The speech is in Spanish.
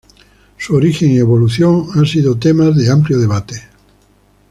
Su origen y evolución han sido temas de amplio debate.